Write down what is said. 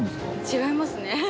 違いますね。